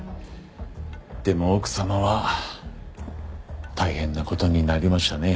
でも奥様は大変な事になりましたね。